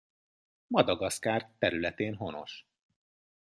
Madagaszkár területén honos.